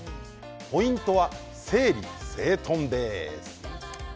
ポイントは整理整頓です。